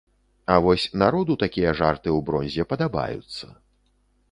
А вось народу такія жарты ў бронзе падабаюцца.